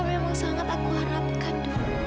memang sangat aku harapkan dulu